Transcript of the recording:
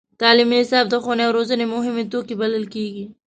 تعلیمي نصاب د ښوونې او روزنې مهم توکی بلل کېږي.